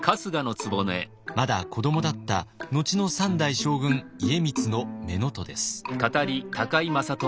まだ子どもだった後の３代将軍家光の乳母です。